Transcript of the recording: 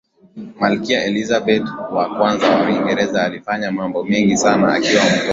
malkia elizabeth wa kwanza wa uingereza alifanya mambo mengi sana akiwa mtoto